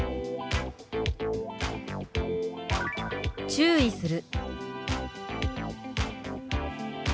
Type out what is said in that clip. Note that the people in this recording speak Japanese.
「注意する」。